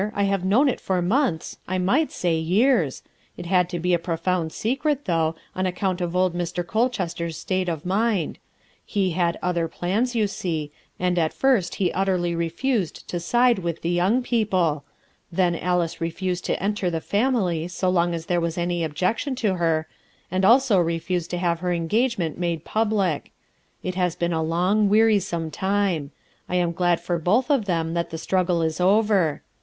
I have known it for months, I might say years. It had to be a profound secret, though, on account of old ilr. Colchester's state of mind; he had other 92 RUTH ERSKINE'S SON plans, you see, and at first he utterly refused to side with the young people; then Alice re fused to enter the family so long as there was any objection to her, and also refused to have her engagement made public; it has been a long, wearisome time; I am glad for both of them that the struggle is over.